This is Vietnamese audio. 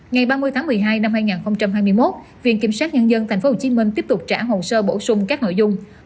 ngày ba mươi tháng một mươi hai năm hai nghìn hai mươi một viện kiểm sát nhân dân tp hcm tiếp tục trả hồ sơ bổ sung các nội dung